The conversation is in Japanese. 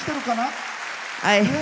はい。